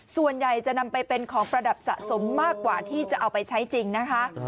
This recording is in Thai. ส่วนใหญ่จะนำไปเป็นของประดับสะสมมากกว่าที่จะเอาไปใช้จริงนะคะ